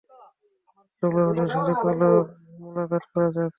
চলো, ওদের সাথে মোলাকাত করা যাক।